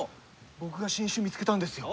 僕が新種見つけたんですよ。